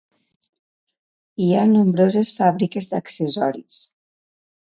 Hi ha nombroses fàbriques d'accessoris.